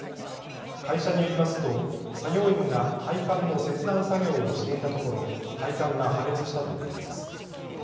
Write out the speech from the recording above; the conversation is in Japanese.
会社によりますと作業員が配管の切断作業をしていたところ配管が破裂したということです。